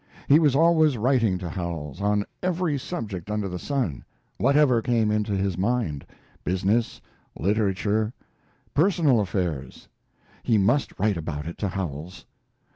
He was always writing to Howells, on every subject under the sun; whatever came into his mind business, literature, personal affairs he must write about it to Howells.